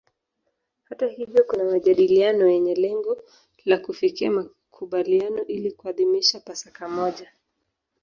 Hata hivyo kuna majadiliano yenye lengo la kufikia makubaliano ili kuadhimisha Pasaka pamoja.